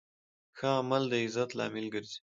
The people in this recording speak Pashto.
ښه عمل د عزت لامل ګرځي.